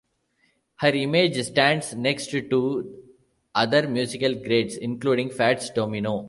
Her image stands next to other musical greats including Fats Domino.